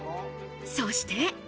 そして。